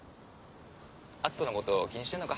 篤斗のこと気にしてんのか？